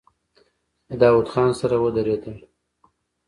له داوود خان سره ودرېدل.